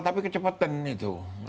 tapi kecepetan itu